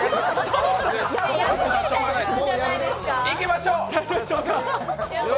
いきましょう！